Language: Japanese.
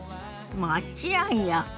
もちろんよ。